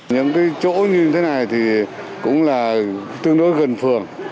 những cái chỗ như thế này thì cũng là tương đối gần phường